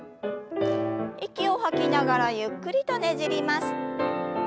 息を吐きながらゆっくりとねじります。